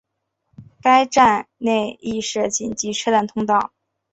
该站内亦设紧急车辆通道。